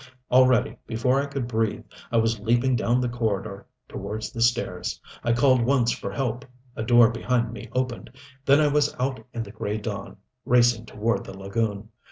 Already, before I could breathe, I was leaping down the corridor towards the stairs. I called once for help a door behind me opened. Then I was out in the gray dawn, racing toward the lagoon.